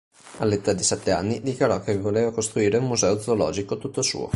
All'età di sette anni, dichiarò che voleva costruire un museo zoologico tutto suo.